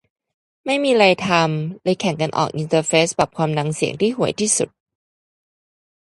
ไม่มีไรทำ เลยแข่งกันออกแบบอินเทอร์เฟซปรับความดังเสียงที่ห่วยที่สุด